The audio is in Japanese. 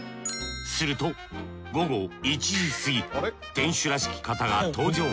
すると午後１時過ぎ店主らしき方が登場。